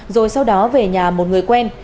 rồi sau đó về nhà một người quen